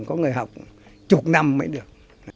có người học chục năm mới được